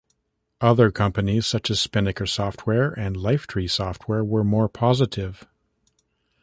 Other companies such as Spinnaker Software and Lifetree Software were more positive.